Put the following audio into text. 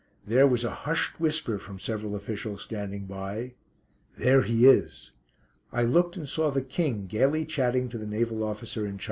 There was a hushed whisper from several officials standing by: "There he is." I looked and saw the King gaily chatting to the Naval Officer in charge.